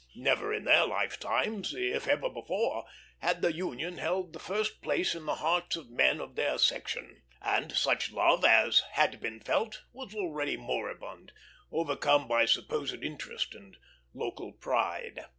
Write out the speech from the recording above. Never in their lifetimes, if ever before, had the Union held the first place in the hearts of men of their section; and such love as had been felt was already moribund, overcome by supposed interest and local pride.